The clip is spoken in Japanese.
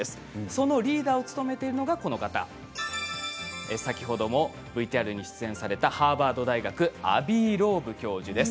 そのリーダーを務めているのが先ほどもＶＴＲに出演されたハーバード大学アヴィ・ローブ教授です。